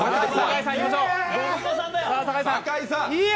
いや！